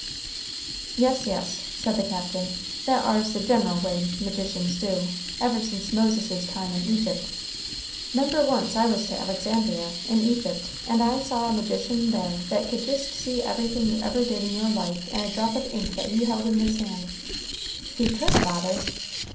"Yes, yes," said the Captain; "that ar's the gen'l way magicians do, ever since Moses's time in Egypt. 'Member once I was to Alexandria, in Egypt, and I saw a magician there that could jist see everything you ever did in your life in a drop of ink that he held in his hand." "He could, father!"